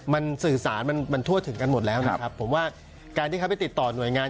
มันสื่อสารมันมันทั่วถึงกันหมดแล้วนะครับผมว่าการที่เขาไปติดต่อหน่วยงาน